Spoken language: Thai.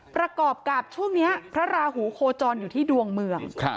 ประกอบกับช่วงนี้พระราหูโคจรอยู่ที่ดวงเมือง